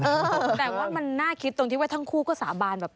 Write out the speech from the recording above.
แต่ว่ามันน่าคิดตรงที่ทั้งคู่ก็สาบาน